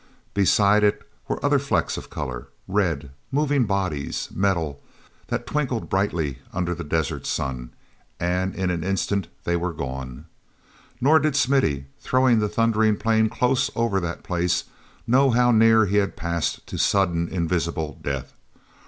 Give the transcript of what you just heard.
Beside it were other flecks of color: red, moving bodies; metal, that twinkled brightly under the desert sun—and in an instant they were gone. Nor did Smithy, throwing the thundering plane close over that place, know how near he had passed to sudden, invisible death.